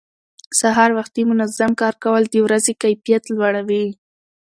سهار وختي منظم کار کول د ورځې کیفیت لوړوي